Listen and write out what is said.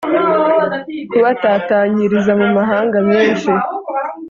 kabatatanyiriza mu mahanga menshi